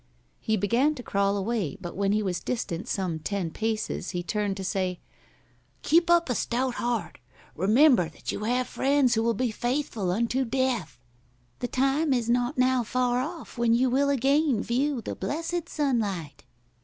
He began to crawl away, but when he was distant some ten paces he turned to say: "Keep up a stout heart. Remember that you have friends who will be faithful unto death. The time is not now far off when you will again view the blessed sunlight."